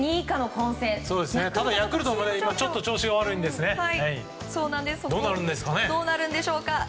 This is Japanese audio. ただ、ヤクルトはちょっと調子が悪いのでどうなるんでしょうかね。